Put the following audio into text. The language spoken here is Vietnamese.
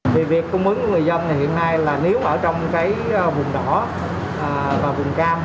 vì việc cung ứng người dân hiện nay là nếu ở trong vùng đỏ và vùng cam